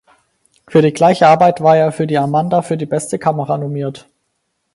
Für die gleiche Arbeit war er für die Amanda für die beste Kamera nominiert.